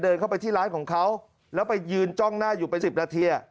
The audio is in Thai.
เดินเข้าไปที่ร้านของเขาแล้วไปยืนจ้องหน้าอยู่ไป๑๐นาที